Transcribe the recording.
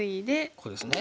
ここですね。